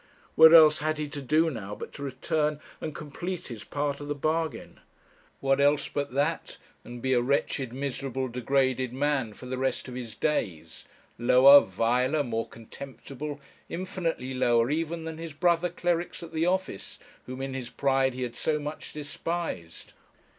What else had he to do now but to return and complete his part of the bargain? What else but that, and be a wretched, miserable, degraded man for the rest of his days; lower, viler, more contemptible, infinitely lower, even than his brother clerics at the office, whom in his pride he had so much despised?